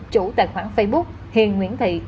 chủ tài khoản facebook hiền nguyễn thị